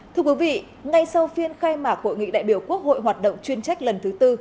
thưa quý vị ngay sau phiên khai mạc hội nghị đại biểu quốc hội hoạt động chuyên trách lần thứ tư